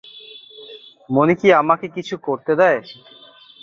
মণি কি আমাকে কিছু করতে দেয়।